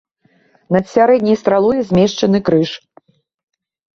Над сярэдняй стралой змешчаны крыж.